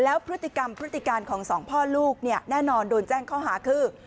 แล้วพฤติกรรมพฤติการของสองพ่อลูกเนี่ยแน่นอนโดนแจ้งข้อหาคือ